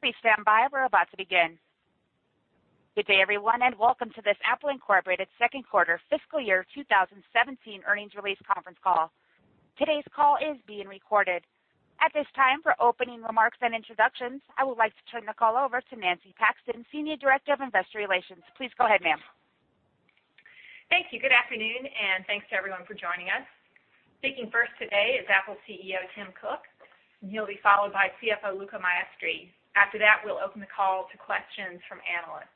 Please stand by. We're about to begin. Good day, everyone, and welcome to this Apple Inc. second quarter fiscal year 2017 earnings release conference call. Today's call is being recorded. At this time, for opening remarks and introductions, I would like to turn the call over to Nancy Paxton, senior director of investor relations. Please go ahead, ma'am. Thank you. Good afternoon, thanks to everyone for joining us. Speaking first today is Apple CEO Tim Cook, he'll be followed by CFO Luca Maestri. After that, we'll open the call to questions from analysts.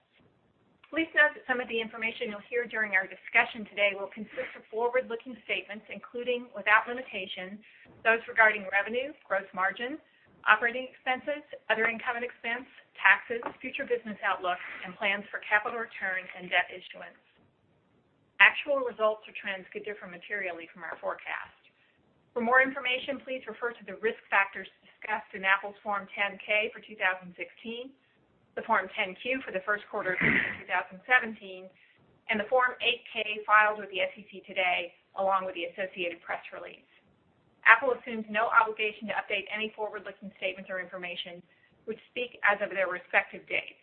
Please note that some of the information you'll hear during our discussion today will consist of forward-looking statements, including, without limitation, those regarding revenue, gross margin, operating expenses, other income and expense, taxes, future business outlook, plans for capital return and debt issuance. Actual results or trends could differ materially from our forecast. For more information, please refer to the risk factors discussed in Apple's Form 10-K for 2016, the Form 10-Q for the first quarter of 2017, and the Form 8-K filed with the SEC today, along with the associated press release. Apple assumes no obligation to update any forward-looking statements or information which speak as of their respective dates.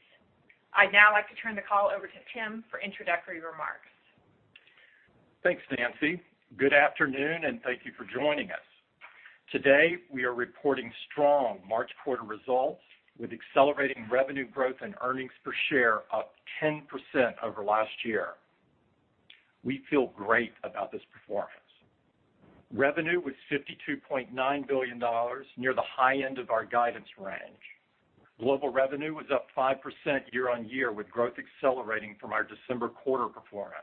I'd now like to turn the call over to Tim for introductory remarks. Thanks, Nancy. Good afternoon, thank you for joining us. Today, we are reporting strong March quarter results with accelerating revenue growth, earnings per share up 10% over last year. We feel great about this performance. Revenue was $52.9 billion, near the high end of our guidance range. Global revenue was up 5% year-over-year, with growth accelerating from our December quarter performance.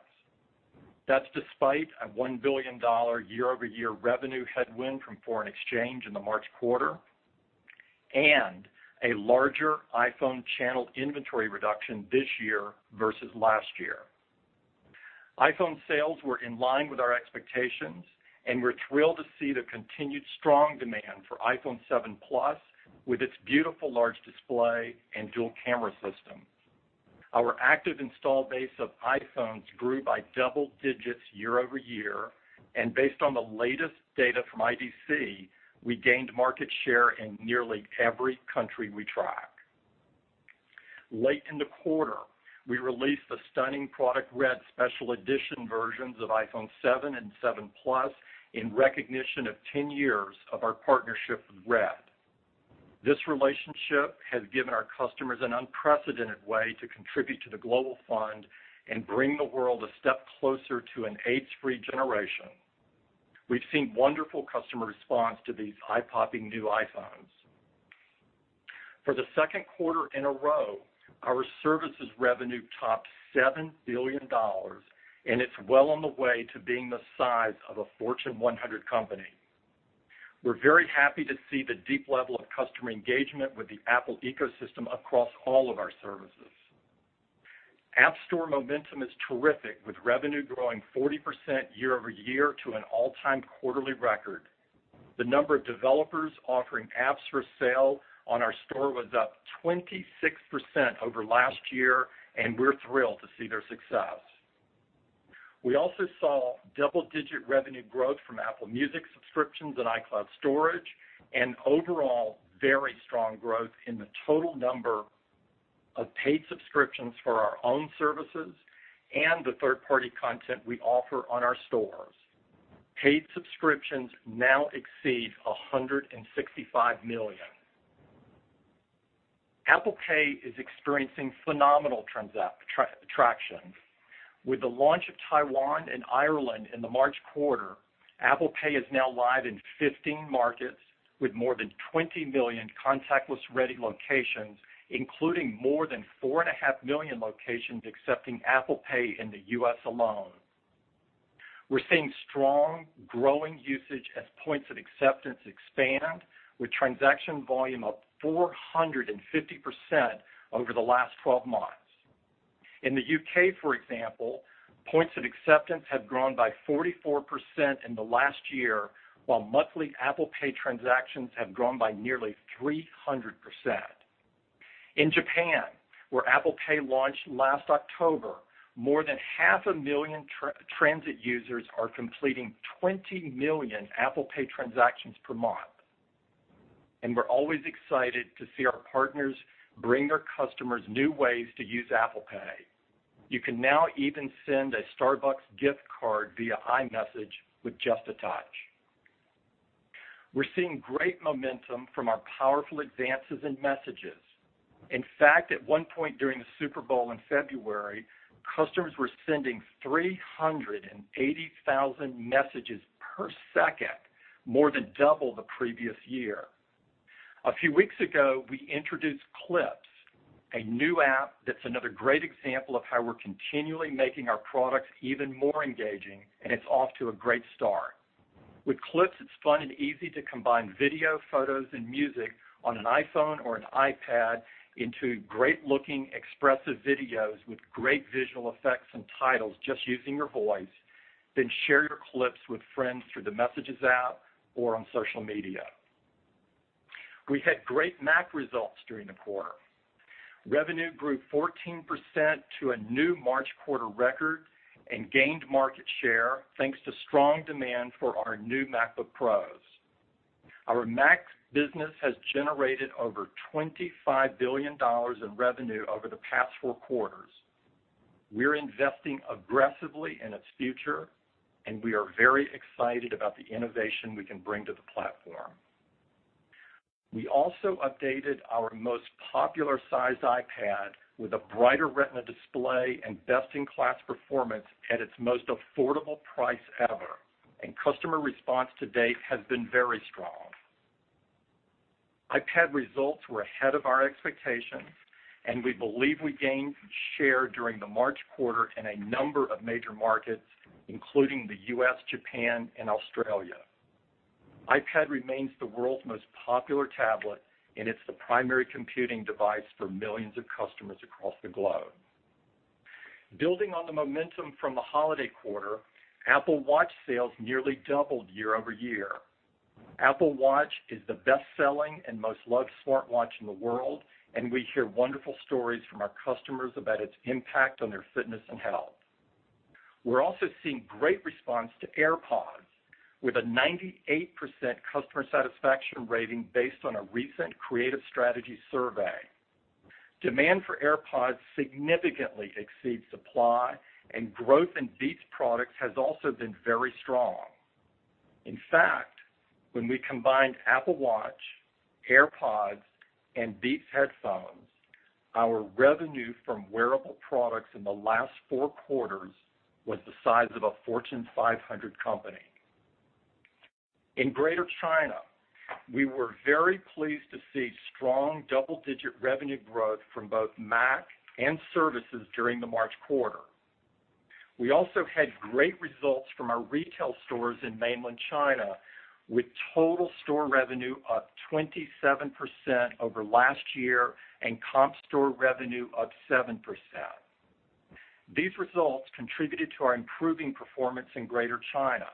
That's despite a $1 billion year-over-year revenue headwind from foreign exchange in the March quarter and a larger iPhone channel inventory reduction this year versus last year. iPhone sales were in line with our expectations, we're thrilled to see the continued strong demand for iPhone 7 Plus with its beautiful large display and dual camera system. Our active install base of iPhones grew by double digits year-over-year, and based on the latest data from IDC, we gained market share in nearly every country we track. Late in the quarter, we released the stunning (PRODUCT)RED special edition versions of iPhone 7 and 7 Plus in recognition of 10 years of our partnership with. This relationship has given our customers an unprecedented way to contribute to the global fund and bring the world a step closer to an AIDS-free generation. We've seen wonderful customer response to these eye-popping new iPhones. For the second quarter in a row, our services revenue topped $7 billion, and it's well on the way to being the size of a Fortune 100 company. We're very happy to see the deep level of customer engagement with the Apple ecosystem across all of our services. App Store momentum is terrific, with revenue growing 40% year-over-year to an all-time quarterly record. The number of developers offering apps for sale on our store was up 26% over last year, and we're thrilled to see their success. We also saw double-digit revenue growth from Apple Music subscriptions and iCloud storage, and overall very strong growth in the total number of paid subscriptions for our own services and the third-party content we offer on our stores. Paid subscriptions now exceed 165 million. Apple Pay is experiencing phenomenal traction. With the launch of Taiwan and Ireland in the March quarter, Apple Pay is now live in 15 markets with more than 20 million contactless-ready locations, including more than four and a half million locations accepting Apple Pay in the U.S. alone. We're seeing strong growing usage as points of acceptance expand, with transaction volume up 450% over the last 12 months. In the U.K., for example, points of acceptance have grown by 44% in the last year, while monthly Apple Pay transactions have grown by nearly 300%. In Japan, where Apple Pay launched last October, more than half a million transit users are completing 20 million Apple Pay transactions per month. We're always excited to see our partners bring their customers new ways to use Apple Pay. You can now even send a Starbucks gift card via iMessage with just a touch. We're seeing great momentum from our powerful advances in Messages. In fact, at one point during the Super Bowl in February, customers were sending 380,000 Messages per second, more than double the previous year. A few weeks ago, we introduced Clips, a new app that's another great example of how we're continually making our products even more engaging, and it's off to a great start. With Clips, it's fun and easy to combine video, photos, and music on an iPhone or an iPad into great-looking, expressive videos with great visual effects and titles, just using your voice. Then share your clips with friends through the Messages app or on social media. We had great Mac results during the quarter. Revenue grew 14% to a new March quarter record and gained market share thanks to strong demand for our new MacBook Pros. Our Mac business has generated over $25 billion in revenue over the past four quarters. We're investing aggressively in its future, and we are very excited about the innovation we can bring to the platform. We also updated our most popular size iPad with a brighter Retina display and best-in-class performance at its most affordable price ever, and customer response to date has been very strong. iPad results were ahead of our expectations, and we believe we gained share during the March quarter in a number of major markets, including the U.S., Japan, and Australia. iPad remains the world's most popular tablet, and it's the primary computing device for millions of customers across the globe. Building on the momentum from the holiday quarter, Apple Watch sales nearly doubled year-over-year. Apple Watch is the best-selling and most loved smartwatch in the world, and we hear wonderful stories from our customers about its impact on their fitness and health. We're also seeing great response to AirPods, with a 98% customer satisfaction rating based on a recent Creative Strategies survey. Demand for AirPods significantly exceeds supply, and growth in Beats products has also been very strong. In fact, when we combined Apple Watch, AirPods, and Beats headphones, our revenue from wearable products in the last four quarters was the size of a Fortune 500 company. In Greater China, we were very pleased to see strong double-digit revenue growth from both Mac and services during the March quarter. We also had great results from our retail stores in mainland China, with total store revenue up 27% over last year and comp store revenue up 7%. These results contributed to our improving performance in Greater China.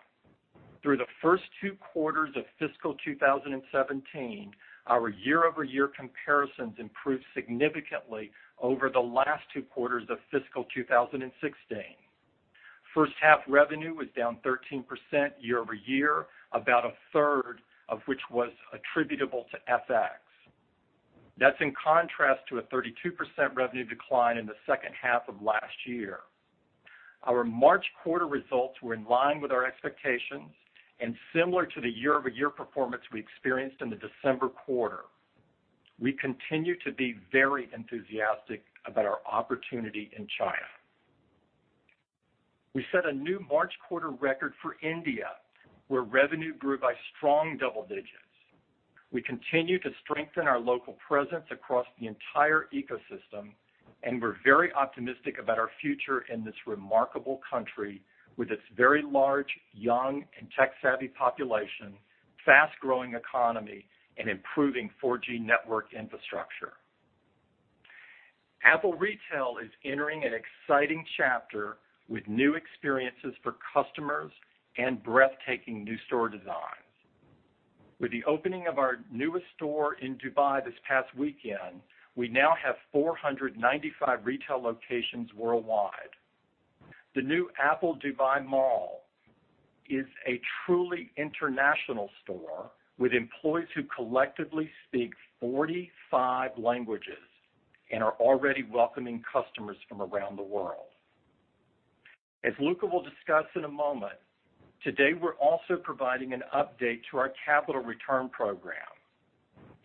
Through the first two quarters of fiscal 2017, our year-over-year comparisons improved significantly over the last two quarters of fiscal 2016. First half revenue was down 13% year-over-year, about a third of which was attributable to FX. That's in contrast to a 32% revenue decline in the second half of last year. Our March quarter results were in line with our expectations and similar to the year-over-year performance we experienced in the December quarter. We continue to be very enthusiastic about our opportunity in China. We set a new March quarter record for India, where revenue grew by strong double digits. We continue to strengthen our local presence across the entire ecosystem, and we're very optimistic about our future in this remarkable country with its very large, young, and tech-savvy population, fast-growing economy, and improving 4G network infrastructure. Apple Retail is entering an exciting chapter with new experiences for customers and breathtaking new store designs. With the opening of our newest store in Dubai this past weekend, we now have 495 retail locations worldwide. The new Apple Dubai Mall is a truly international store with employees who collectively speak 45 languages and are already welcoming customers from around the world. As Luca will discuss in a moment, today we're also providing an update to our capital return program.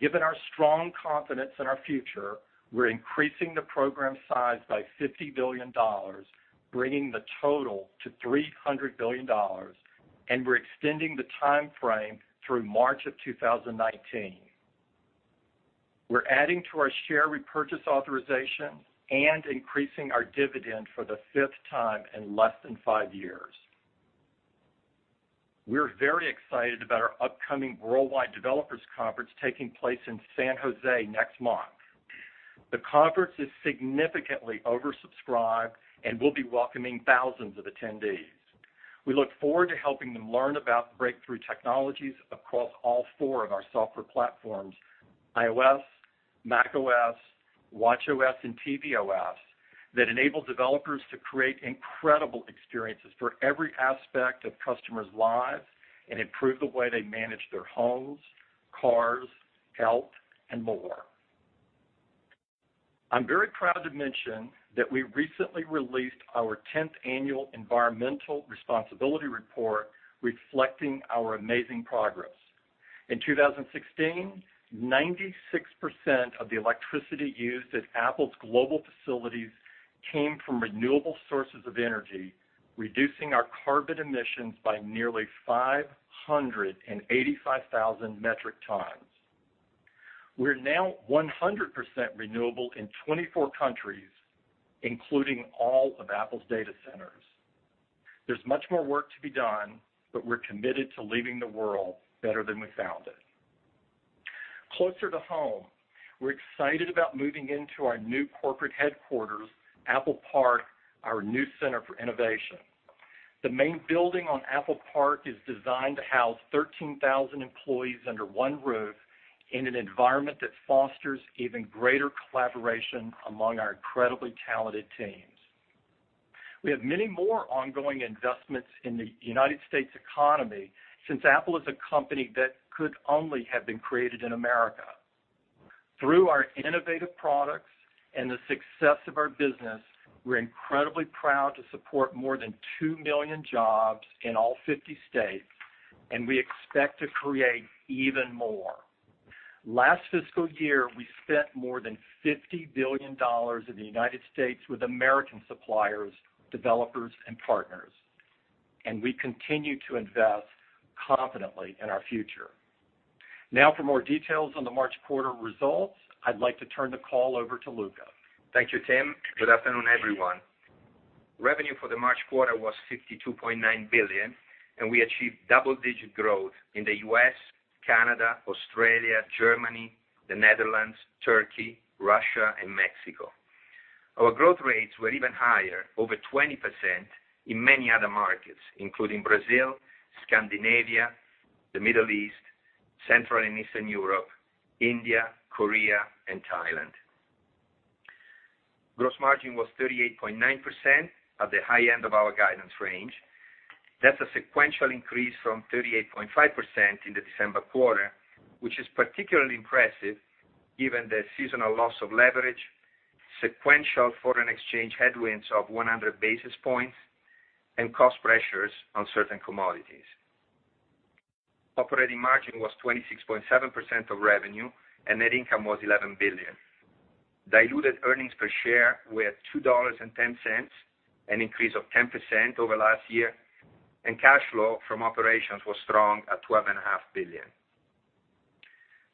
Given our strong confidence in our future, we're increasing the program size by $50 billion, bringing the total to $300 billion, and we're extending the timeframe through March of 2019. We're adding to our share repurchase authorization and increasing our dividend for the fifth time in less than five years. We're very excited about our upcoming Worldwide Developers Conference taking place in San Jose next month. The conference is significantly oversubscribed and will be welcoming thousands of attendees. We look forward to helping them learn about breakthrough technologies across all four of our software platforms, iOS, macOS, watchOS, and tvOS, that enable developers to create incredible experiences for every aspect of customers' lives and improve the way they manage their homes, cars, health, and more. I'm very proud to mention that we recently released our 10th Annual Environmental Responsibility Report reflecting our amazing progress. In 2016, 96% of the electricity used at Apple's global facilities came from renewable sources of energy, reducing our carbon emissions by nearly 585,000 metric tons. We're now 100% renewable in 24 countries, including all of Apple's data centers. There's much more work to be done, but we're committed to leaving the world better than we found it. Closer to home, we're excited about moving into our new corporate headquarters, Apple Park, our new center for innovation. The main building on Apple Park is designed to house 13,000 employees under one roof in an environment that fosters even greater collaboration among our incredibly talented teams. We have many more ongoing investments in the U.S. economy since Apple is a company that could only have been created in America. Through our innovative products and the success of our business, we're incredibly proud to support more than 2 million jobs in all 50 states, and we expect to create even more. Last fiscal year, we spent more than $50 billion in the U.S. with American suppliers, developers, and partners, and we continue to invest confidently in our future. Now for more details on the March quarter results, I'd like to turn the call over to Luca. Thank you, Tim. Good afternoon, everyone. Revenue for the March quarter was $52.9 billion, and we achieved double-digit growth in the U.S., Canada, Australia, Germany, the Netherlands, Turkey, Russia, and Mexico. Our growth rates were even higher, over 20%, in many other markets, including Brazil, Scandinavia, the Middle East, Central and Eastern Europe, India, Korea, and Thailand. Gross margin was 38.9% at the high end of our guidance range. That's a sequential increase from 38.5% in the December quarter, which is particularly impressive given the seasonal loss of leverage, sequential foreign exchange headwinds of 100 basis points, and cost pressures on certain commodities. Operating margin was 26.7% of revenue, and net income was $11 billion. Diluted earnings per share were $2.10, an increase of 10% over last year, and cash flow from operations was strong at $12.5 billion.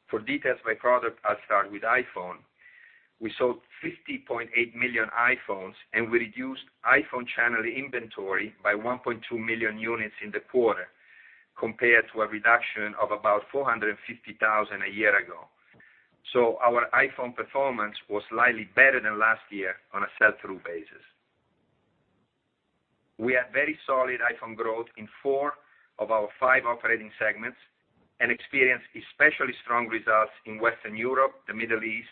For details by product, I'll start with iPhone. We sold 50.8 million iPhones, and we reduced iPhone channel inventory by 1.2 million units in the quarter compared to a reduction of about 450,000 a year ago. So our iPhone performance was slightly better than last year on a sell-through basis. We had very solid iPhone growth in four of our five operating segments and experienced especially strong results in Western Europe, the Middle East,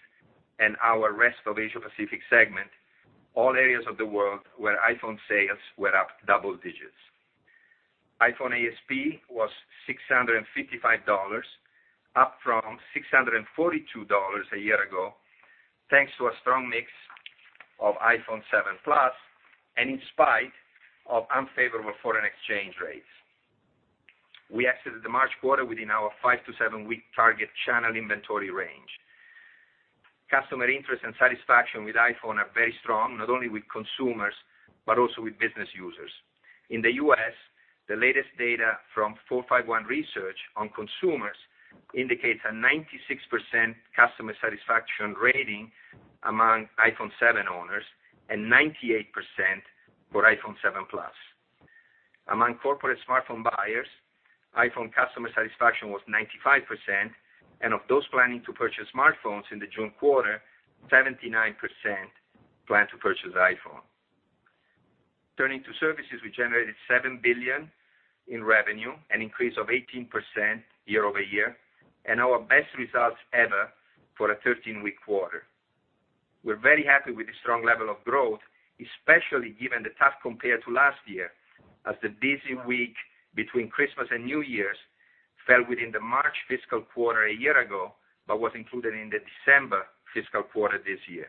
and our rest of Asia Pacific segment, all areas of the world where iPhone sales were up double digits. iPhone ASP was $655, up from $642 a year ago, thanks to a strong mix of iPhone 7 Plus and in spite of unfavorable foreign exchange rates. We exited the March quarter within our five-to-seven week target channel inventory range. Customer interest and satisfaction with iPhone are very strong, not only with consumers, but also with business users. In the U.S., the latest data from 451 Research on consumers indicates a 96% customer satisfaction rating among iPhone 7 owners and 98% for iPhone 7 Plus. Among corporate smartphone buyers, iPhone customer satisfaction was 95%, and of those planning to purchase smartphones in the June quarter, 79% plan to purchase iPhone. Turning to services, we generated $7 billion in revenue, an increase of 18% year-over-year, and our best results ever for a 13-week quarter. We're very happy with the strong level of growth, especially given the tough compare to last year, as the busy week between Christmas and New Year's fell within the March fiscal quarter a year ago but was included in the December fiscal quarter this year.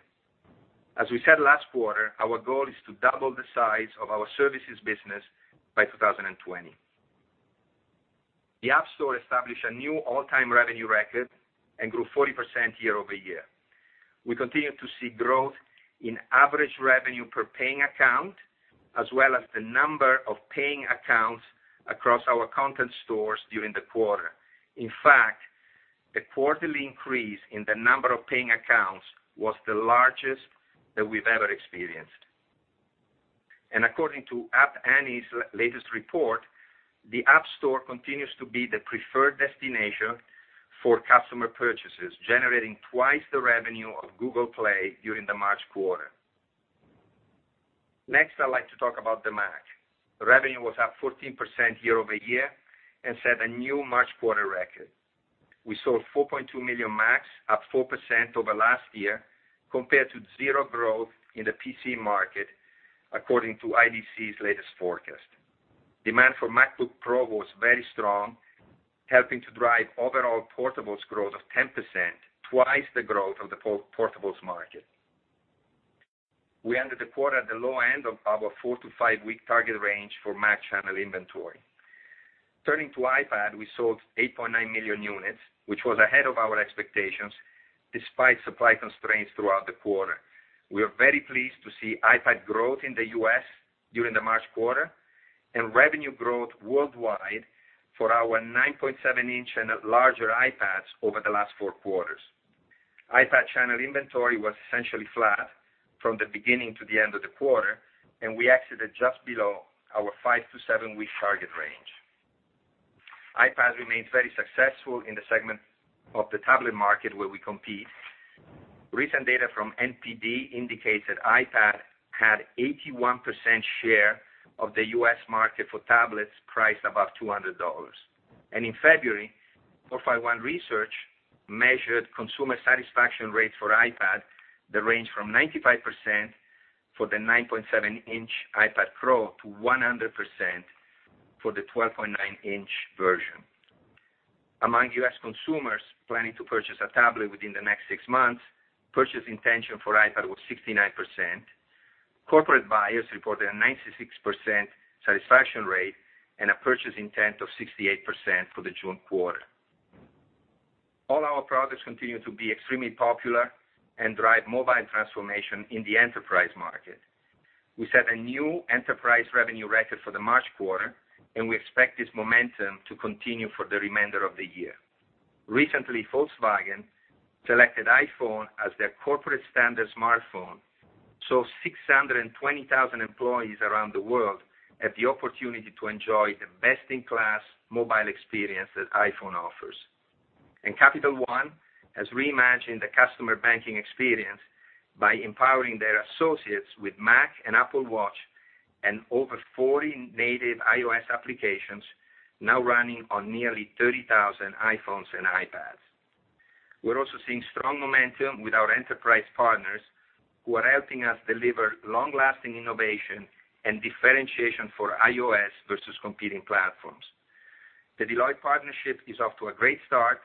As we said last quarter, our goal is to double the size of our services business by 2020. The App Store established a new all-time revenue record and grew 40% year-over-year. We continue to see growth in average revenue per paying account, as well as the number of paying accounts across our content stores during the quarter. In fact, the quarterly increase in the number of paying accounts was the largest that we've ever experienced. According to App Annie's latest report, the App Store continues to be the preferred destination for customer purchases, generating twice the revenue of Google Play during the March quarter. Next, I'd like to talk about the Mac. Revenue was up 14% year-over-year and set a new March quarter record. We sold 4.2 million Macs, up 4% over last year, compared to zero growth in the PC market, according to IDC's latest forecast. Demand for MacBook Pro was very strong, helping to drive overall portables growth of 10%, twice the growth of the portables market. We ended the quarter at the low end of our four to five-week target range for Mac channel inventory. Turning to iPad, we sold 8.9 million units, which was ahead of our expectations despite supply constraints throughout the quarter. We are very pleased to see iPad growth in the U.S. during the March quarter and revenue growth worldwide for our 9.7-inch and larger iPads over the last four quarters. iPad channel inventory was essentially flat from the beginning to the end of the quarter, and we exited just below our five to seven-week target range. iPad remains very successful in the segment of the tablet market where we compete. Recent data from NPD indicates that iPad had 81% share of the U.S. market for tablets priced above $200. In February, 451 Research measured consumer satisfaction rates for iPad that range from 95% for the 9.7-inch iPad Pro to 100% for the 12.9-inch version. Among U.S. consumers planning to purchase a tablet within the next six months, purchase intention for iPad was 69%. Corporate buyers reported a 96% satisfaction rate and a purchase intent of 68% for the June quarter. All our products continue to be extremely popular and drive mobile transformation in the enterprise market. We set a new enterprise revenue record for the March quarter, and we expect this momentum to continue for the remainder of the year. Recently, Volkswagen selected iPhone as their corporate standard smartphone. 620,000 employees around the world have the opportunity to enjoy the best-in-class mobile experience that iPhone offers. Capital One has reimagined the customer banking experience by empowering their associates with Mac and Apple Watch and over 40 native iOS applications now running on nearly 30,000 iPhones and iPads. We're also seeing strong momentum with our enterprise partners who are helping us deliver long-lasting innovation and differentiation for iOS versus competing platforms. The Deloitte partnership is off to a great start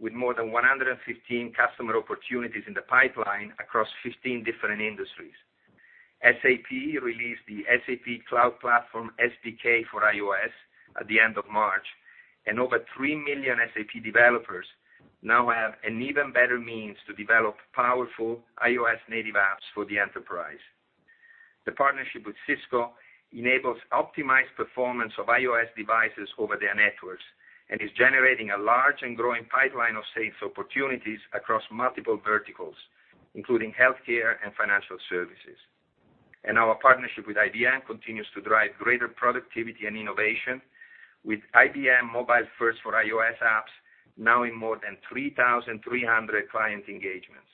with more than 115 customer opportunities in the pipeline across 15 different industries. SAP released the SAP Cloud Platform SDK for iOS at the end of March, and over 3 million SAP developers now have an even better means to develop powerful iOS native apps for the enterprise. The partnership with Cisco enables optimized performance of iOS devices over their networks and is generating a large and growing pipeline of sales opportunities across multiple verticals, including healthcare and financial services. Our partnership with IBM continues to drive greater productivity and innovation with IBM MobileFirst for iOS apps now in more than 3,300 client engagements.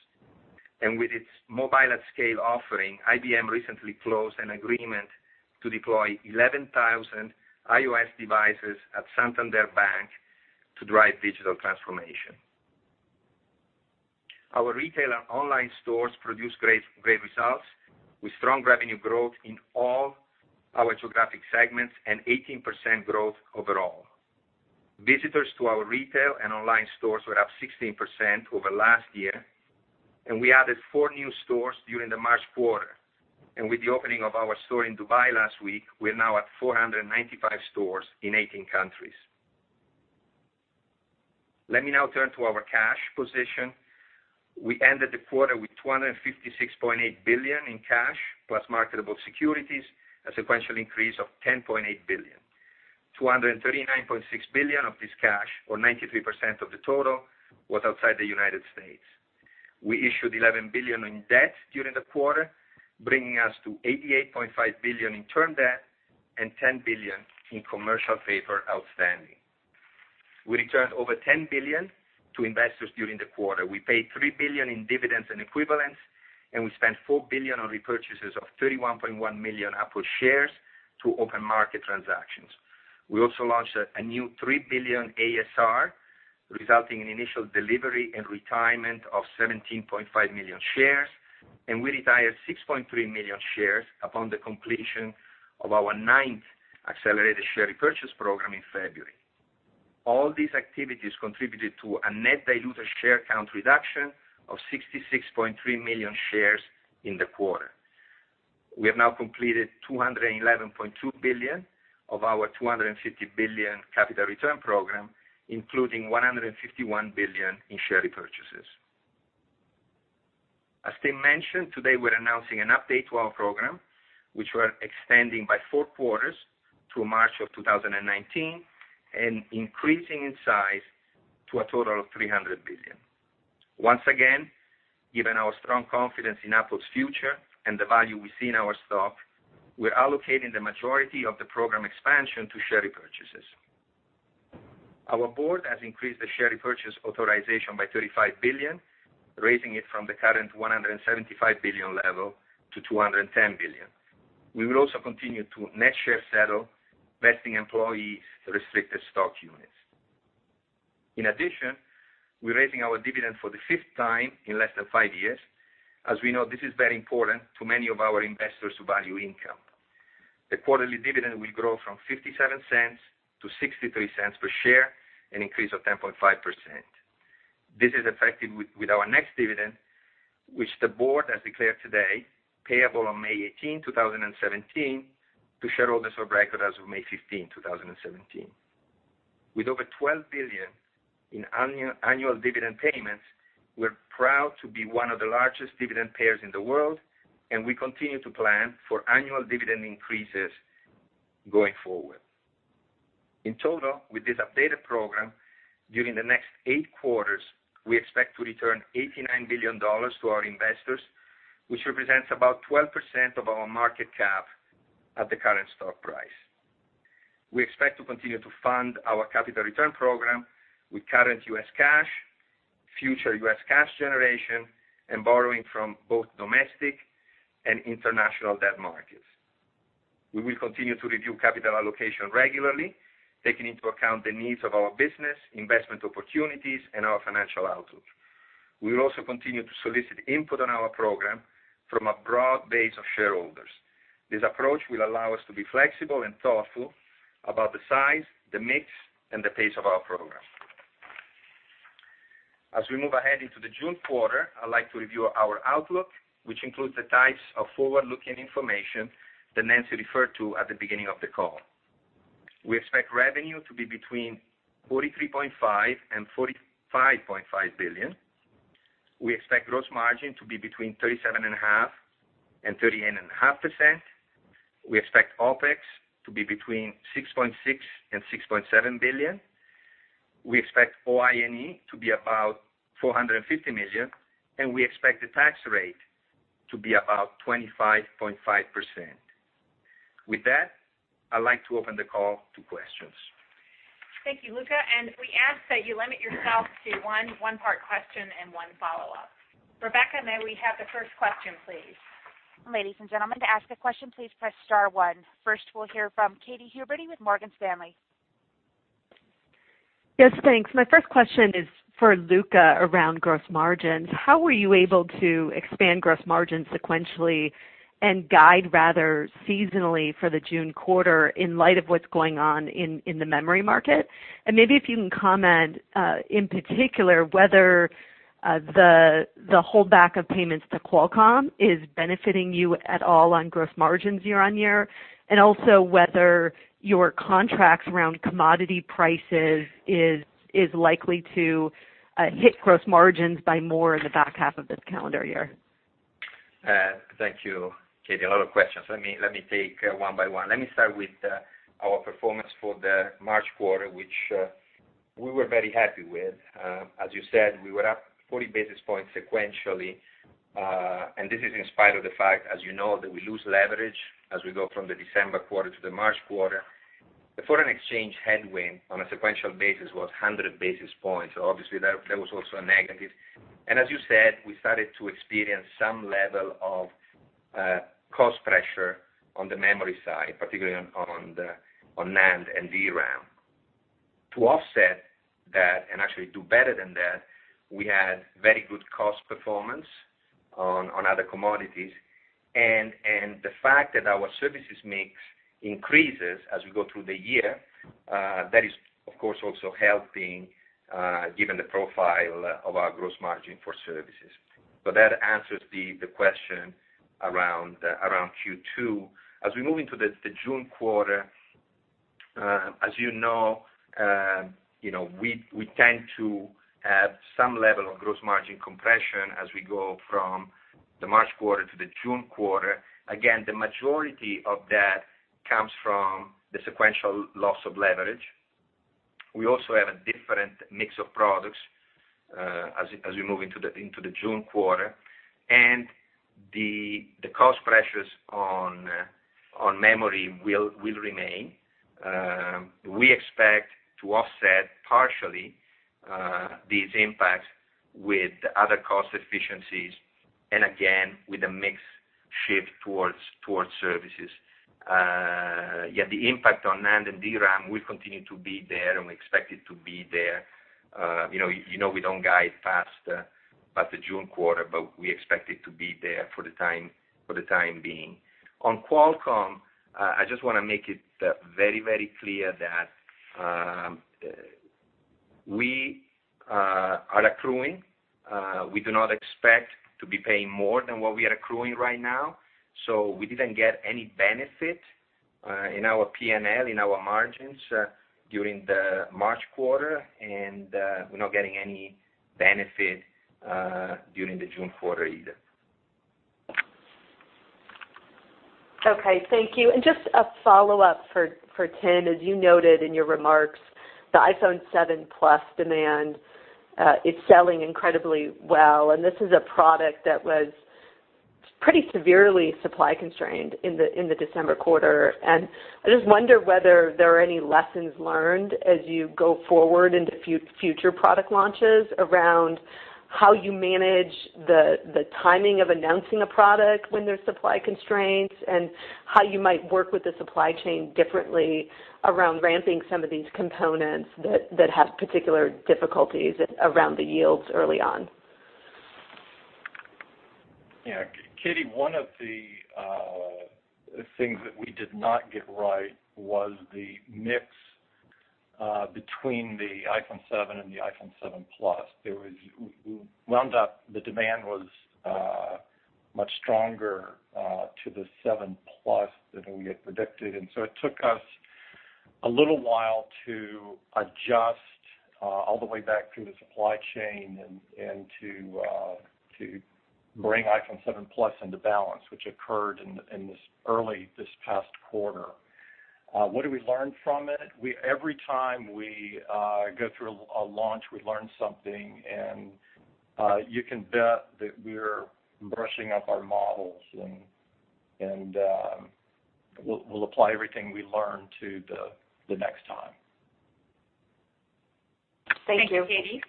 With its mobile-at-scale offering, IBM recently closed an agreement to deploy 11,000 iOS devices at Santander Bank to drive digital transformation. Our retail and online stores produce great results with strong revenue growth in all our geographic segments and 18% growth overall. Visitors to our retail and online stores were up 16% over last year, and we added four new stores during the March quarter. With the opening of our store in Dubai last week, we're now at 495 stores in 18 countries. Let me now turn to our cash position. We ended the quarter with $256.8 billion in cash plus marketable securities, a sequential increase of $10.8 billion. $239.6 billion of this cash, or 93% of the total, was outside the United States. We issued $11 billion in debt during the quarter, bringing us to $88.5 billion in term debt and $10 billion in commercial paper outstanding. We returned over $10 billion to investors during the quarter. We paid $3 billion in dividends and equivalents, and we spent $4 billion on repurchases of 31.1 million Apple shares through open market transactions. We also launched a new $3 billion ASR, resulting in initial delivery and retirement of 17.5 million shares, and we retired 6.3 million shares upon the completion of our ninth accelerated share repurchase program in February. All these activities contributed to a net dilutive share count reduction of 66.3 million shares in the quarter. We have now completed $211.2 billion of our $250 billion capital return program, including $151 billion in share repurchases. As Tim mentioned, today we're announcing an update to our program, which we're extending by four quarters to March of 2019 and increasing in size to a total of $300 billion. Once again, given our strong confidence in Apple's future and the value we see in our stock, we're allocating the majority of the program expansion to share repurchases. Our board has increased the share repurchase authorization by $35 billion, raising it from the current $175 billion level to $210 billion. We will also continue to net share settle vesting employee restricted stock units. In addition, we're raising our dividend for the fifth time in less than five years. As we know, this is very important to many of our investors who value income. The quarterly dividend will grow from $0.57 to $0.63 per share, an increase of 10.5%. This is effective with our next dividend, which the board has declared today payable on May 18, 2017, to shareholders of record as of May 15, 2017. With over $12 billion in annual dividend payments, we're proud to be one of the largest dividend payers in the world, and we continue to plan for annual dividend increases going forward. In total, with this updated program during the next eight quarters, we expect to return $89 billion to our investors, which represents about 12% of our market cap at the current stock price. We expect to continue to fund our capital return program with current U.S. cash, future U.S. cash generation, and borrowing from both domestic and international debt markets. We will continue to review capital allocation regularly, taking into account the needs of our business, investment opportunities, and our financial outlook. We will also continue to solicit input on our program from a broad base of shareholders. This approach will allow us to be flexible and thoughtful about the size, the mix, and the pace of our program. As we move ahead into the June quarter, I'd like to review our outlook, which includes the types of forward-looking information that Nancy referred to at the beginning of the call. We expect revenue to be between $43.5 billion-$45.5 billion. We expect gross margin to be between 37.5%-38.5%. We expect OpEx to be between $6.6 billion-$6.7 billion. We expect OI&E to be about $450 million. We expect the tax rate to be about 25.5%. With that, I'd like to open the call to questions. Thank you, Luca. We ask that you limit yourself to one part question and one follow-up. Rebecca, may we have the first question, please? Ladies and gentlemen, to ask a question, please press star one. First, we'll hear from Kathryn Huberty with Morgan Stanley. Yes, thanks. My first question is for Luca around gross margins. How were you able to expand gross margins sequentially and guide rather seasonally for the June quarter in light of what's going on in the memory market? Maybe if you can comment, in particular, whether the holdback of payments to Qualcomm is benefiting you at all on gross margins year-on-year, and also whether your contracts around commodity prices is likely to hit gross margins by more in the back half of this calendar year. Thank you, Katy. A lot of questions. Let me take one by one. Let me start with our performance for the March quarter, which we were very happy with. As you said, we were up 40 basis points sequentially. This is in spite of the fact, as you know, that we lose leverage as we go from the December quarter to the March quarter. The foreign exchange headwind on a sequential basis was 100 basis points. Obviously that was also a negative. As you said, we started to experience some level of cost pressure on the memory side, particularly on NAND and DRAM. To offset that and actually do better than that, we had very good cost performance on other commodities. The fact that our services mix increases as we go through the year, that is of course also helping given the profile of our gross margin for services. That answers the question around Q2. As we move into the June quarter, as you know, we tend to have some level of gross margin compression as we go from the March quarter to the June quarter. Again, the majority of that comes from the sequential loss of leverage. We also have a different mix of products as we move into the June quarter, and the cost pressures on memory will remain. We expect to offset partially these impacts with other cost efficiencies and again, with a mix shift towards services. The impact on NAND and DRAM will continue to be there, and we expect it to be there. You know we don't guide past the June quarter, but we expect it to be there for the time being. On Qualcomm, I just want to make it very clear that we are accruing. We do not expect to be paying more than what we are accruing right now. We didn't get any benefit in our P&L, in our margins during the March quarter, and we're not getting any benefit during the June quarter either. Okay, thank you. Just a follow-up for Tim. As you noted in your remarks, the iPhone 7 Plus demand is selling incredibly well, and this is a product that was pretty severely supply constrained in the December quarter. I just wonder whether there are any lessons learned as you go forward into future product launches around how you manage the timing of announcing a product when there's supply constraints, and how you might work with the supply chain differently around ramping some of these components that have particular difficulties around the yields early on. Yeah, Katy, one of the things that we did not get right was the mix between the iPhone 7 and the iPhone 7 Plus. It wound up the demand was much stronger to the 7 Plus than we had predicted. It took us a little while to adjust all the way back through the supply chain and to bring iPhone 7 Plus into balance, which occurred early this past quarter. What did we learn from it? Every time we go through a launch, we learn something, and you can bet that we're brushing up our models and we'll apply everything we learn to the next time. Thank you. Thank you, Katy.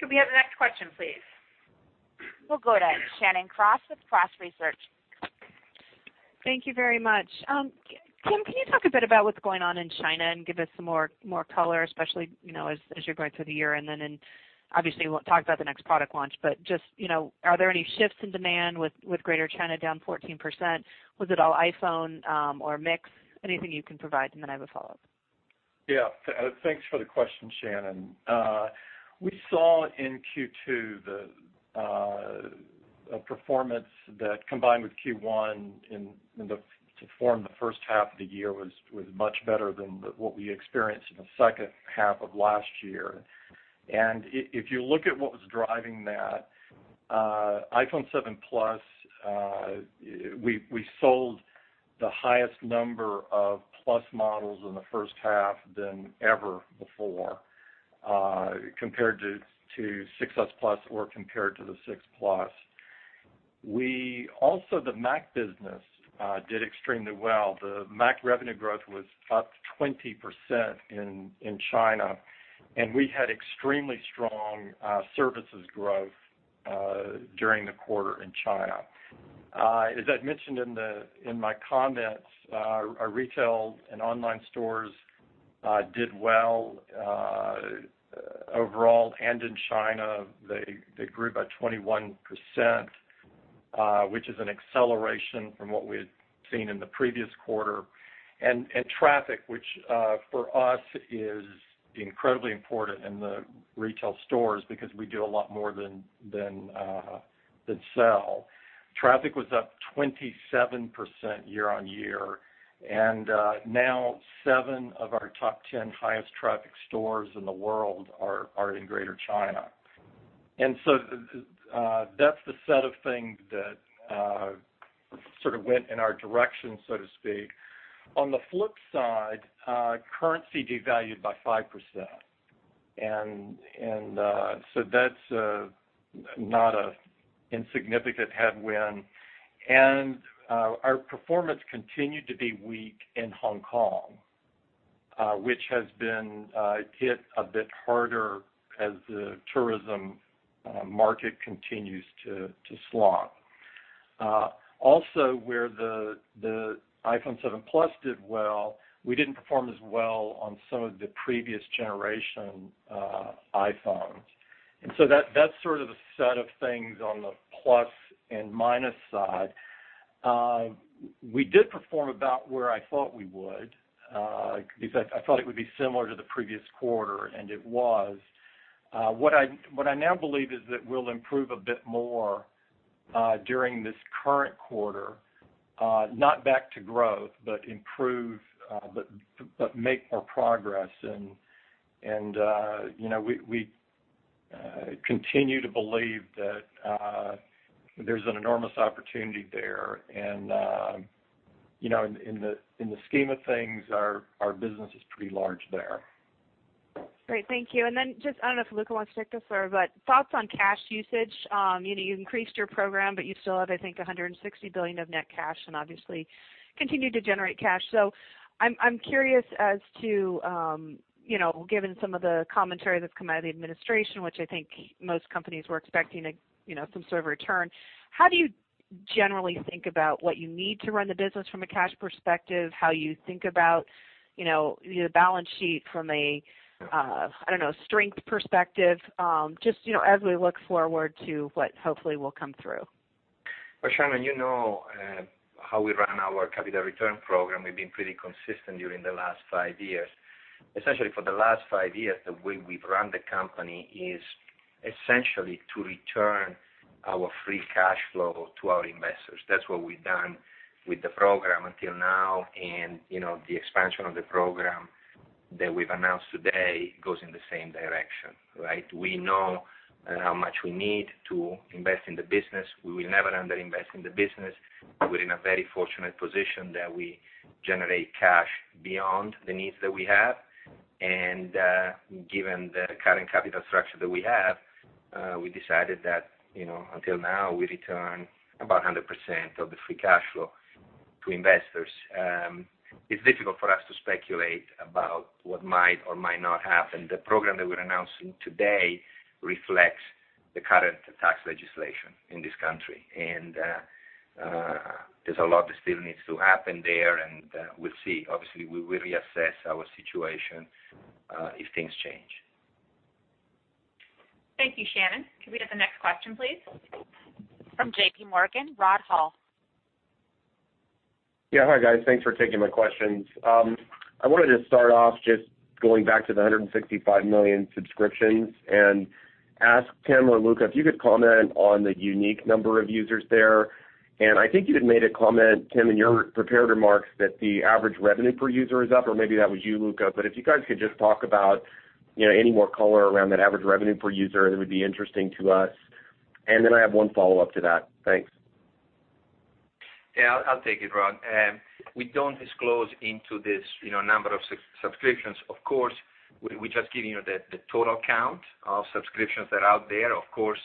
Could we have the next question, please? We'll go to Shannon Cross with Cross Research. Thank you very much. Tim, can you talk a bit about what's going on in China and give us some more color, especially, as you're going through the year and then obviously we won't talk about the next product launch, but just are there any shifts in demand with Greater China down 14%? Was it all iPhone or a mix? Anything you can provide, and then I have a follow-up. Thanks for the question, Shannon. We saw in Q2 a performance that combined with Q1 to form the first half of the year was much better than what we experienced in the second half of last year. If you look at what was driving that, iPhone 7 Plus, we sold the highest number of Plus models in the first half than ever before, compared to 6s Plus or compared to the 6 Plus. The Mac business did extremely well. The Mac revenue growth was up 20% in China, and we had extremely strong services growth during the quarter in China. As I mentioned in my comments, our retail and online stores did well overall, and in China, they grew by 21%, which is an acceleration from what we had seen in the previous quarter. Traffic, which for us is incredibly important in the retail stores because we do a lot more than sell. Traffic was up 27% year-on-year, and now seven of our top 10 highest traffic stores in the world are in Greater China. That's the set of things that sort of went in our direction, so to speak. On the flip side, currency devalued by 5%, and so that's not an insignificant headwind, and our performance continued to be weak in Hong Kong, which has been hit a bit harder as the tourism market continues to slump. Where the iPhone 7 Plus did well, we didn't perform as well on some of the previous generation iPhones. That's sort of a set of things on the plus and minus side. We did perform about where I thought we would. In fact, I thought it would be similar to the previous quarter, and it was. What I now believe is that we'll improve a bit more during this current quarter, not back to growth, but make more progress. We continue to believe that there's an enormous opportunity there. In the scheme of things, our business is pretty large there. Great. Thank you. I don't know if Luca wants to take this or thoughts on cash usage. You increased your program, but you still have, I think, $160 billion of net cash and obviously continue to generate cash. I'm curious as to, given some of the commentary that's come out of the administration, which I think most companies were expecting some sort of return, how do you generally think about what you need to run the business from a cash perspective, how you think about the balance sheet from a, I don't know, strength perspective, just as we look forward to what hopefully will come through? Well, Shannon, you know how we run our capital return program. We've been pretty consistent during the last five years. Essentially for the last five years, the way we've run the company is essentially to return our free cash flow to our investors. That's what we've done with the program until now, the expansion of the program that we've announced today goes in the same direction, right? We know how much we need to invest in the business. We will never under-invest in the business. We're in a very fortunate position that we generate cash beyond the needs that we have. Given the current capital structure that we have, we decided that until now, we return about 100% of the free cash flow to investors. It's difficult for us to speculate about what might or might not happen. The program that we're announcing today reflects the current tax legislation in this country, there's a lot that still needs to happen there, we'll see. Obviously, we will reassess our situation if things change. Thank you, Shannon. Could we have the next question, please? From JPMorgan, Rod Hall. Yeah. Hi, guys. Thanks for taking my questions. I wanted to start off just going back to the 165 million subscriptions and ask Tim or Luca if you could comment on the unique number of users there. I think you had made a comment, Tim, in your prepared remarks that the average revenue per user is up, or maybe that was you, Luca. If you guys could just talk about any more color around that average revenue per user, that would be interesting to us. I have one follow-up to that. Thanks. Yeah, I'll take it, Rod. We don't disclose into this number of subscriptions, of course. We're just giving you the total count of subscriptions that are out there. Of course,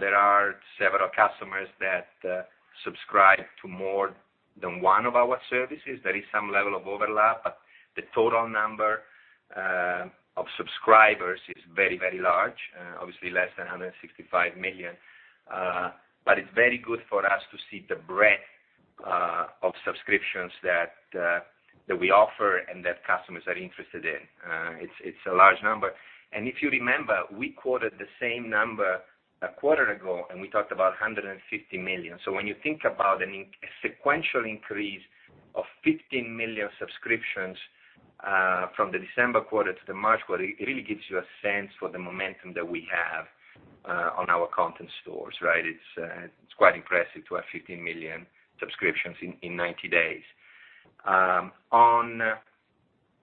there are several customers that subscribe to more than one of our services. There is some level of overlap, the total number of subscribers is very large, obviously less than 165 million. It's very good for us to see the breadth of subscriptions that we offer and that customers are interested in. It's a large number. If you remember, we quoted the same number a quarter ago, we talked about 150 million. When you think about a sequential increase of 15 million subscriptions from the December quarter to the March quarter, it really gives you a sense for the momentum that we have on our content stores, right? It's quite impressive to have 15 million subscriptions in 90 days.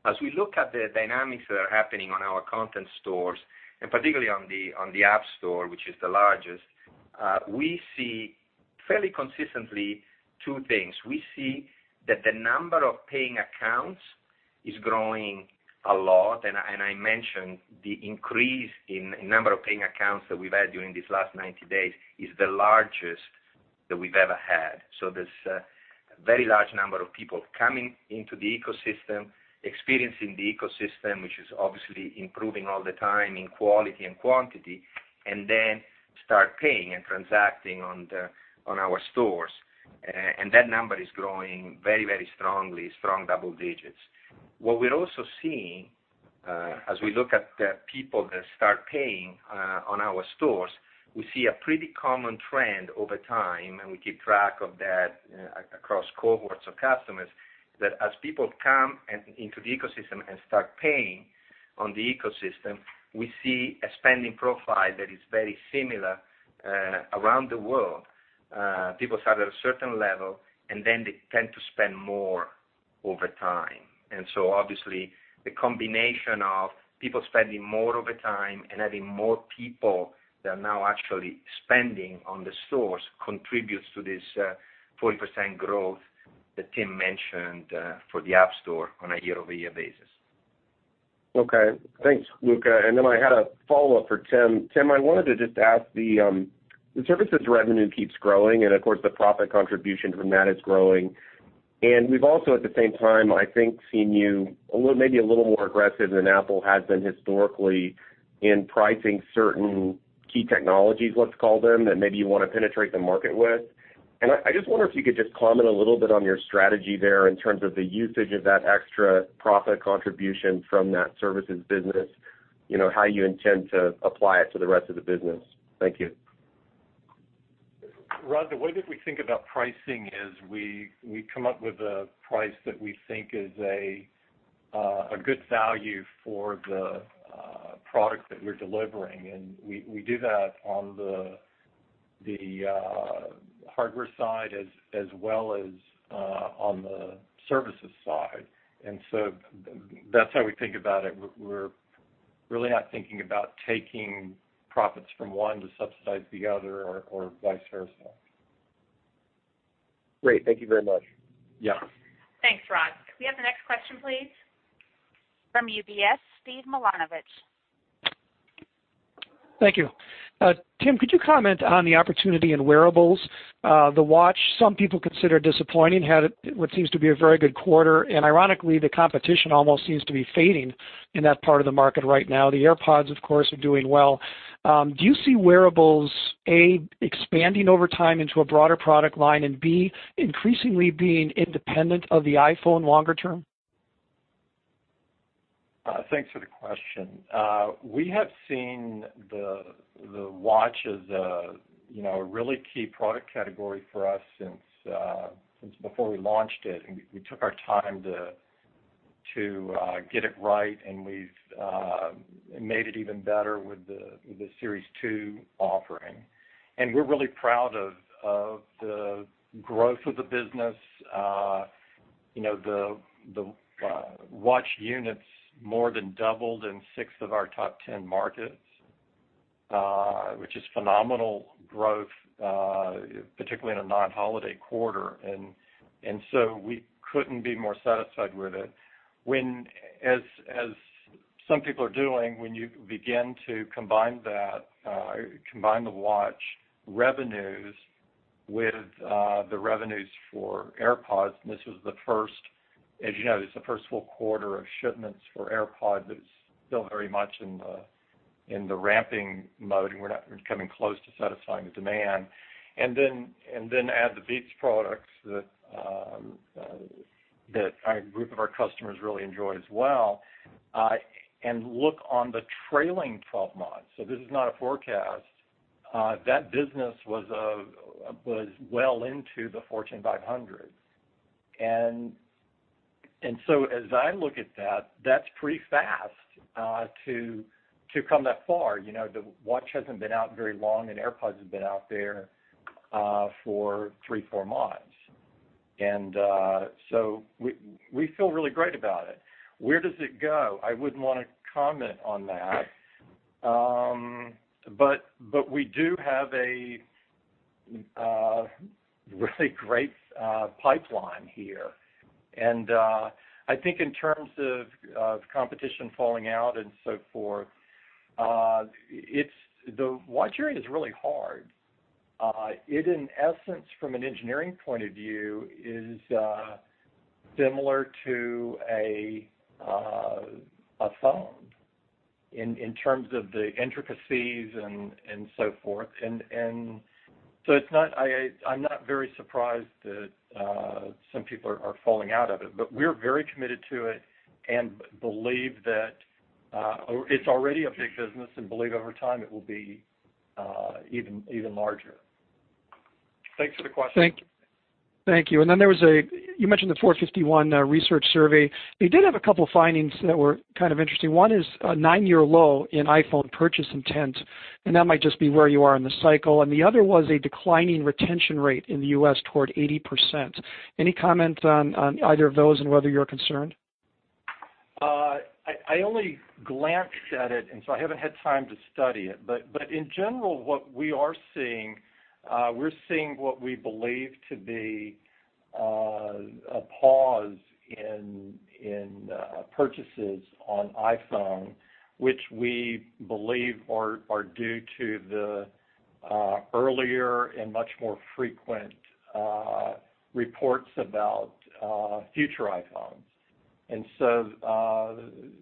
As we look at the dynamics that are happening on our content stores, and particularly on the App Store, which is the largest, we see fairly consistently two things. We see that the number of paying accounts is growing a lot, and I mentioned the increase in number of paying accounts that we've had during these last 90 days is the largest that we've ever had. There's a very large number of people coming into the ecosystem, experiencing the ecosystem, which is obviously improving all the time in quality and quantity, and then start paying and transacting on our stores. That number is growing very strongly, strong double digits. What we're also seeing, as we look at people that start paying on our stores, we see a pretty common trend over time, and we keep track of that across cohorts of customers, that as people come into the ecosystem and start paying on the ecosystem, we see a spending profile that is very similar around the world. People start at a certain level, and then they tend to spend more over time. Obviously, the combination of people spending more over time and adding more people that are now actually spending on the stores contributes to this 40% growth that Tim mentioned for the App Store on a year-over-year basis. Okay. Thanks, Luca. I had a follow-up for Tim. Tim, I wanted to just ask, the services revenue keeps growing, and of course, the profit contribution from that is growing. We've also, at the same time, I think, seen you maybe a little more aggressive than Apple has been historically in pricing certain key technologies, let's call them, that maybe you want to penetrate the market with. I just wonder if you could just comment a little bit on your strategy there in terms of the usage of that extra profit contribution from that services business, how you intend to apply it to the rest of the business. Thank you. Rod, the way that we think about pricing is we come up with a price that we think is a good value for the product that we're delivering, and we do that on the hardware side as well as on the services side. That's how we think about it. We're really not thinking about taking profits from one to subsidize the other or vice versa. Great. Thank you very much. Yeah. Thanks, Rod. Could we have the next question, please? From UBS, Steven Milunovich. Thank you. Tim, could you comment on the opportunity in wearables? The Watch some people consider disappointing, had what seems to be a very good quarter, and ironically, the competition almost seems to be fading in that part of the market right now. The AirPods, of course, are doing well. Do you see wearables, A, expanding over time into a broader product line, and B, increasingly being independent of the iPhone longer term? Thanks for the question. We have seen the Watch as a really key product category for us since before we launched it. We took our time to get it right, and we've made it even better with the Series 2 offering. We're really proud of the growth of the business. The Watch units more than doubled in 6 of our top 10 markets, which is phenomenal growth, particularly in a non-holiday quarter. We couldn't be more satisfied with it. As some people are doing, when you begin to combine the Watch revenues with the revenues for AirPods, and as you know, this is the first full quarter of shipments for AirPods, it's still very much in the ramping mode, and we're not coming close to satisfying the demand. Add the Beats products that a group of our customers really enjoy as well, and look on the trailing 12 months, so this is not a forecast, that business was well into the Fortune 500. So as I look at that's pretty fast to come that far. The Watch hasn't been out very long, and AirPods have been out there for 3, 4 months. We feel really great about it. Where does it go? I wouldn't want to comment on that. We do have a really great pipeline here. I think in terms of competition falling out and so forth, the watch area is really hard. It, in essence, from an engineering point of view, is similar to a phone in terms of the intricacies and so forth. I'm not very surprised that some people are falling out of it, but we're very committed to it and believe that it's already a big business and believe over time it will be even larger. Thanks for the question. Thank you. You mentioned the 451 Research survey. They did have a couple findings that were kind of interesting. One is a 9-year low in iPhone purchase intent, and that might just be where you are in the cycle. The other was a declining retention rate in the U.S. toward 80%. Any comment on either of those and whether you're concerned? I only glanced at it, I haven't had time to study it. In general, what we are seeing, we're seeing what we believe to be a pause in purchases on iPhone, which we believe are due to the earlier and much more frequent reports about future iPhones.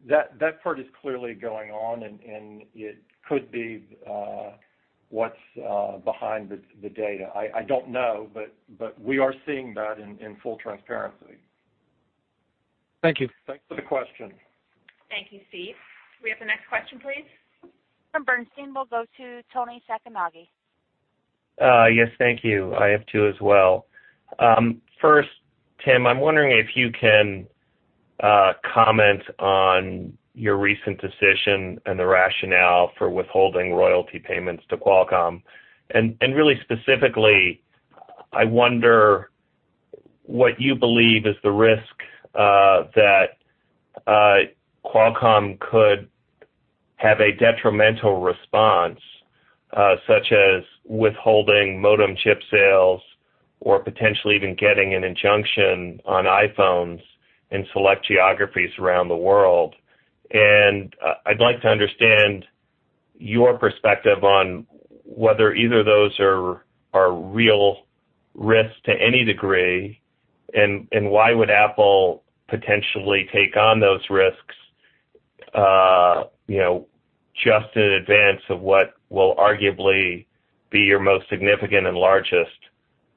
That part is clearly going on and it could be what's behind the data. I don't know, but we are seeing that in full transparency. Thank you. Thanks for the question. Thank you, Steve. Can we have the next question, please? From Bernstein, we'll go to Toni Sacconaghi. Yes, thank you. I have two as well. First, Tim, I'm wondering if you can comment on your recent decision and the rationale for withholding royalty payments to Qualcomm. Really specifically, I wonder what you believe is the risk that Qualcomm could have a detrimental response, such as withholding modem chip sales or potentially even getting an injunction on iPhones in select geographies around the world. I'd like to understand your perspective on whether either of those are real risks to any degree, and why would Apple potentially take on those risks just in advance of what will arguably be your most significant and largest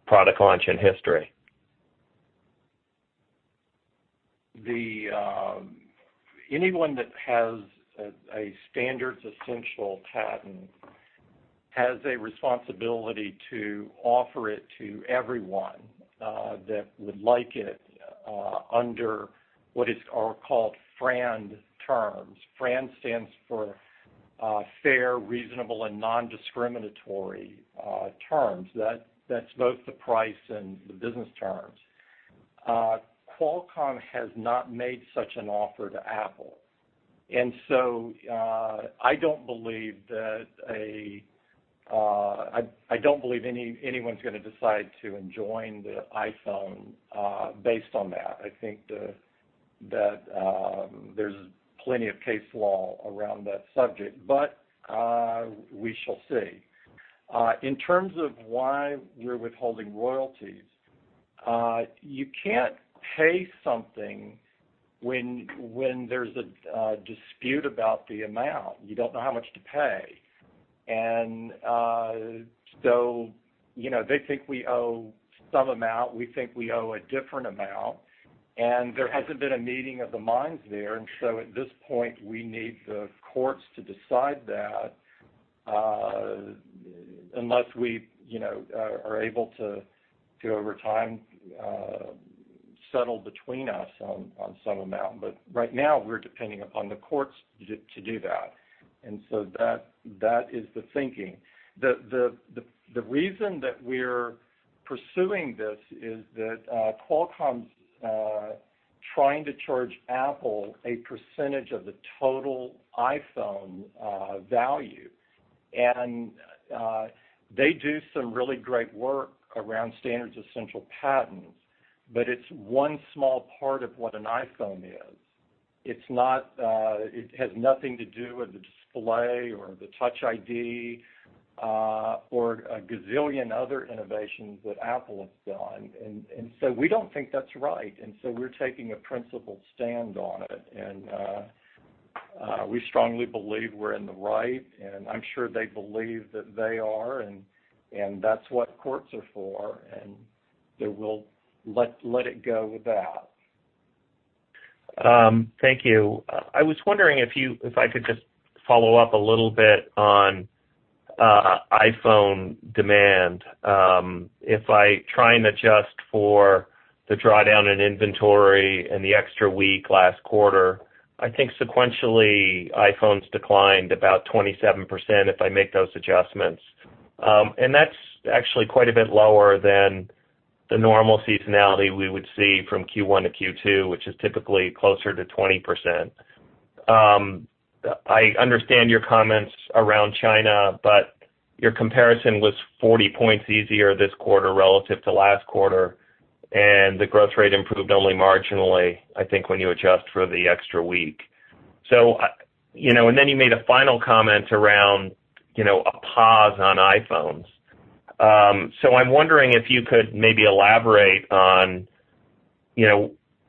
product launch in history. Anyone that has a standards essential patent has a responsibility to offer it to everyone that would like it under what is called FRAND terms. FRAND stands for Fair, Reasonable, and Non-Discriminatory terms. That's both the price and the business terms. Qualcomm has not made such an offer to Apple, I don't believe anyone's going to decide to enjoin the iPhone based on that. I think that there's plenty of case law around that subject, we shall see. In terms of why we're withholding royalties, you can't pay something when there's a dispute about the amount. You don't know how much to pay. They think we owe some amount, we think we owe a different amount, and there hasn't been a meeting of the minds there. At this point, we need the courts to decide that, unless we are able to, over time, settle between us on some amount. Right now, we're depending upon the courts to do that. That is the thinking. The reason that we're pursuing this is that Qualcomm's trying to charge Apple a percentage of the total iPhone value. They do some really great work around standards essential patents, it's one small part of what an iPhone is. It has nothing to do with the display or the Touch ID or a gazillion other innovations that Apple has done. We don't think that's right, we're taking a principled stand on it. We strongly believe we're in the right, I'm sure they believe that they are, that's what courts are for, we'll let it go with that. Thank you. I was wondering if I could just follow up a little bit on iPhone demand. If I try and adjust for the drawdown in inventory and the extra week last quarter, I think sequentially, iPhones declined about 27%, if I make those adjustments. That's actually quite a bit lower than the normal seasonality we would see from Q1 to Q2, which is typically closer to 20%. Your comparison was 40 points easier this quarter relative to last quarter, and the growth rate improved only marginally, I think, when you adjust for the extra week. You made a final comment around a pause on iPhones. I'm wondering if you could maybe elaborate on,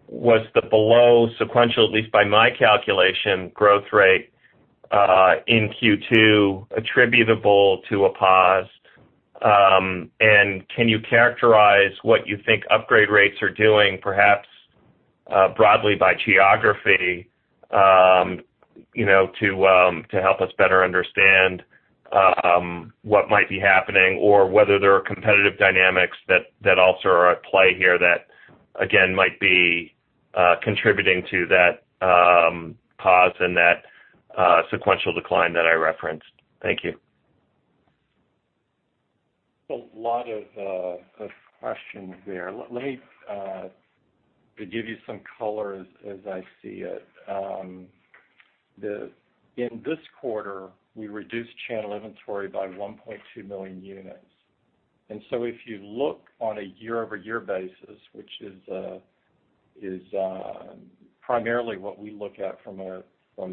was the below sequential, at least by my calculation, growth rate, in Q2 attributable to a pause? Can you characterize what you think upgrade rates are doing, perhaps broadly by geography, to help us better understand what might be happening, or whether there are competitive dynamics that also are at play here that, again, might be contributing to that pause and that sequential decline that I referenced. Thank you. A lot of questions there. Let me give you some color as I see it. In this quarter, we reduced channel inventory by 1.2 million units. If you look on a year-over-year basis, which is primarily what we look at from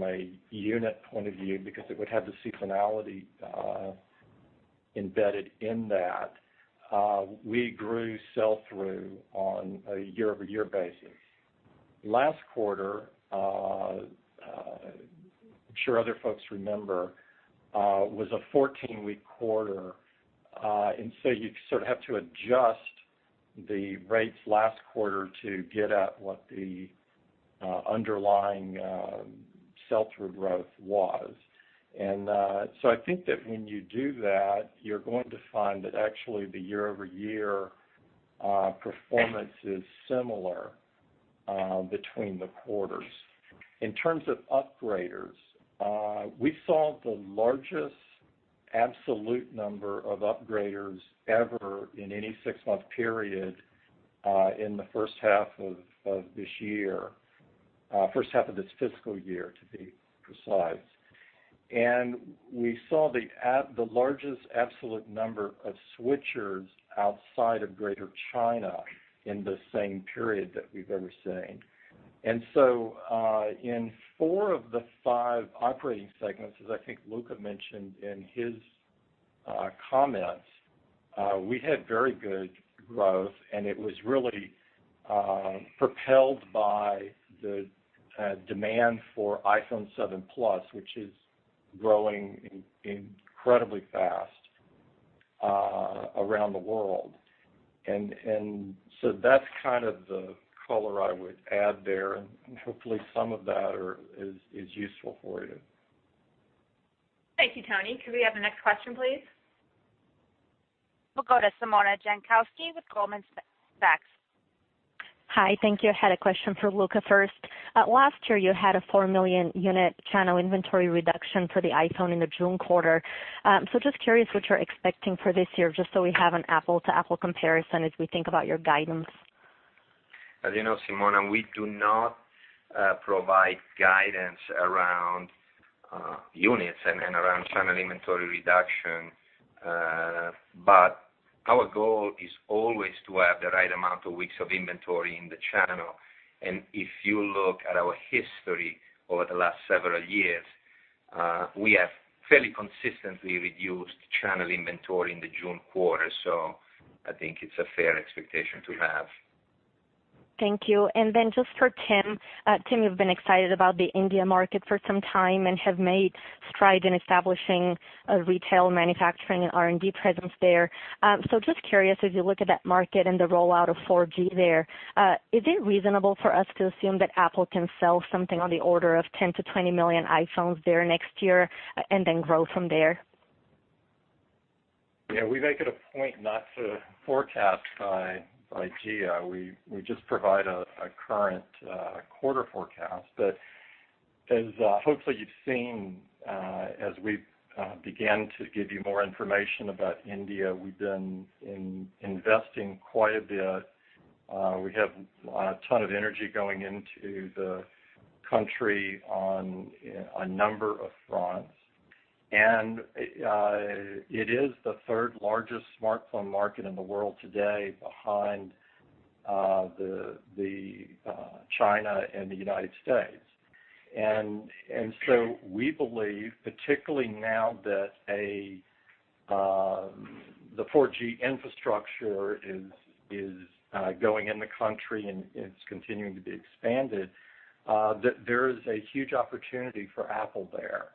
a unit point of view, because it would have the seasonality embedded in that, we grew sell-through on a year-over-year basis. Last quarter, I'm sure other folks remember, was a 14-week quarter. You sort of have to adjust the rates last quarter to get at what the underlying sell-through growth was. I think that when you do that, you're going to find that actually the year-over-year performance is similar between the quarters. In terms of upgraders, we saw the largest absolute number of upgraders ever in any six-month period, in the first half of this year. First half of this fiscal year, to be precise. We saw the largest absolute number of switchers outside of Greater China in the same period that we've ever seen. In four of the five operating segments, as I think Luca mentioned in his comments, we had very good growth and it was really propelled by the demand for iPhone 7 Plus, which is growing incredibly fast around the world. That's kind of the color I would add there, and hopefully some of that is useful for you. Thank you, Toni. Could we have the next question, please? We'll go to Simona Jankowski with Goldman Sachs. Hi, thank you. I had a question for Luca first. Last year, you had a 4 million unit channel inventory reduction for the iPhone in the June quarter. Just curious what you're expecting for this year, just so we have an apple to apple comparison as we think about your guidance. As you know, Simona, we do not provide guidance around units and around channel inventory reduction. Our goal is always to have the right amount of weeks of inventory in the channel. If you look at our history over the last several years, we have fairly consistently reduced channel inventory in the June quarter. I think it's a fair expectation to have. Thank you. Just for Tim. Tim, you've been excited about the India market for some time and have made strides in establishing a retail manufacturing and R&D presence there. Just curious, as you look at that market and the rollout of 4G there, is it reasonable for us to assume that Apple can sell something on the order of 10 to 20 million iPhones there next year and then grow from there? Yeah, we make it a point not to forecast by geo. We just provide a current quarter forecast. As hopefully you've seen, as we've began to give you more information about India, we've been investing quite a bit. We have a ton of energy going into the country on a number of fronts. It is the third-largest smartphone market in the world today behind China and the United States. We believe, particularly now that the 4G infrastructure is going in the country and is continuing to be expanded, that there is a huge opportunity for Apple there.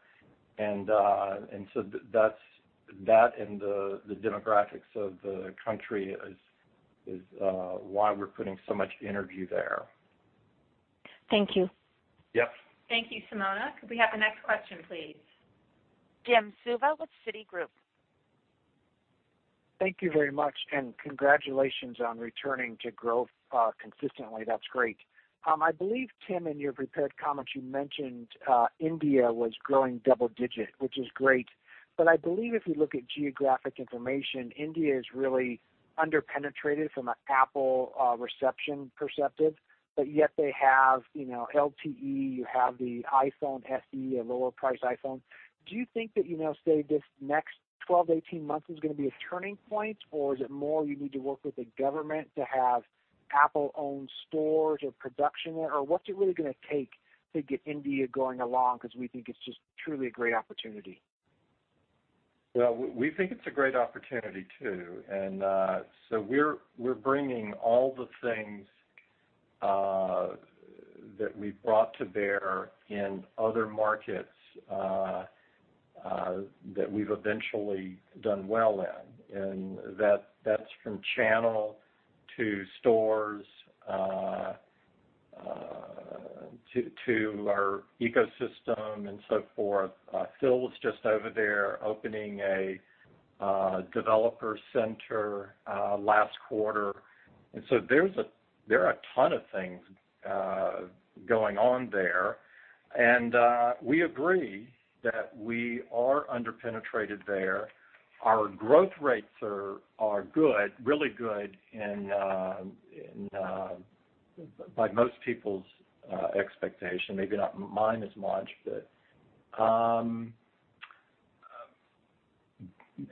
That and the demographics of the country is why we're putting so much energy there. Thank you. Yep. Thank you, Simona. Could we have the next question, please? Jim Suva with Citigroup. Thank you very much. Congratulations on returning to growth consistently. That's great. I believe, Tim, in your prepared comments, you mentioned India was growing double digit, which is great. I believe if you look at geographic information, India is really under-penetrated from an Apple reception perspective, but yet they have LTE. You have the iPhone SE, a lower price iPhone. Do you think that, say, this next 12, 18 months is going to be a turning point, or is it more you need to work with the government to have Apple-owned stores or production there? What's it really going to take to get India going along? Because we think it's just truly a great opportunity. Well, we think it's a great opportunity, too. We're bringing all the things that we've brought to bear in other markets that we've eventually done well in, and that's from channel to stores to our ecosystem and so forth. Phil was just over there opening a developer center last quarter. There are a ton of things going on there. We agree that we are under-penetrated there. Our growth rates are good, really good by most people's expectation, maybe not mine as much, but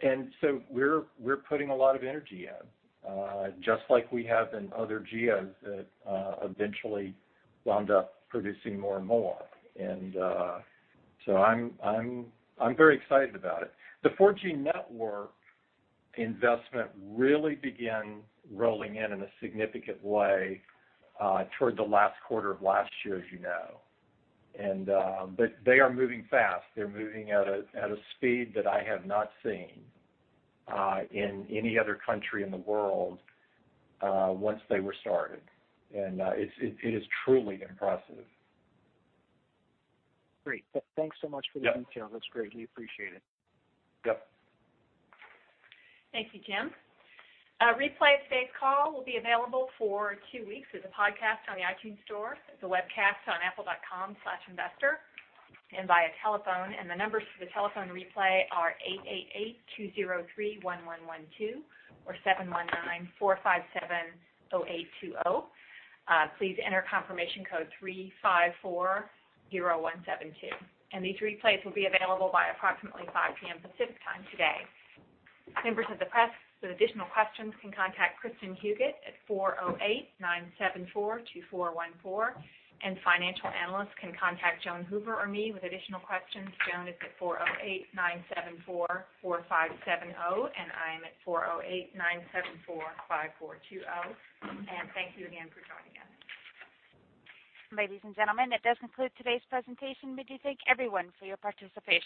and so we're putting a lot of energy in, just like we have in other geos that eventually wound up producing more and more. I'm very excited about it. The 4G network investment really began rolling in in a significant way toward the last quarter of last year, as you know. They are moving fast. They're moving at a speed that I have not seen in any other country in the world once they were started, and it is truly impressive. Great. Thanks so much for the detail. Yeah. That's great. We appreciate it. Yep. Thank you, Jim. A replay of today's call will be available for two weeks as a podcast on the iTunes Store, as a webcast on apple.com/investor and via telephone. The numbers for the telephone replay are 888-203-1112 or 719-457-0820. Please enter confirmation code 3540172. These replays will be available by approximately 5:00 P.M. Pacific Time today. Members of the press with additional questions can contact Kristin Huguet at 408-974-2414, and financial analysts can contact Joan Hoover or me with additional questions. Joan is at 408-974-4570, and I am at 408-974-5420. Thank you again for joining us. Ladies and gentlemen, that does conclude today's presentation. We do thank everyone for your participation.